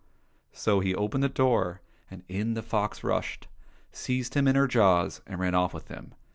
" so he opened the door, and in the fox rushed, seized him in her jaws, and ran off with him.